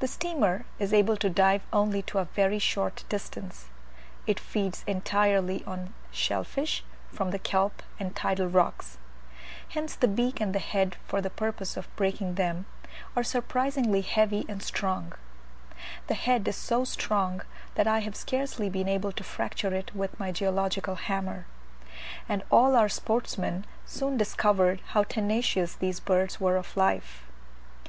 The steamer is able to dive only to a very short distance. It feeds entirely on shell fish from the kelp and tidal rocks: hence the beak and head, for the purpose of breaking them, are surprisingly heavy and strong: the head is so strong that I have scarcely been able to fracture it with my geological hammer; and all our sportsmen soon discovered how tenacious these birds were of life.